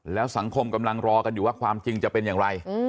แล้วสังคมกำลังรอกันอยู่ว่าความจริงจะเป็นอย่างไร